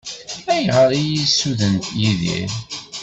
Ayɣer i yi-ssuden Yidir?